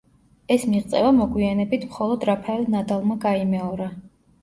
ეს მიღწევა მოგვიანებით მხოლოდ რაფაელ ნადალმა გაიმეორა.